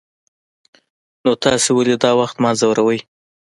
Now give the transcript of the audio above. نو تاسې ولې دا وخت ما ځوروئ.